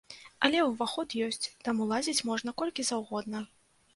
Але ўваход ёсць, таму лазіць можна колькі заўгодна.